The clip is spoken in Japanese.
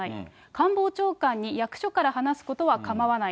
官房長官に役所から話すことは構わない。